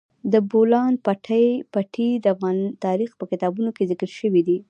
د بولان پټي د افغان تاریخ په کتابونو کې ذکر شوی دي.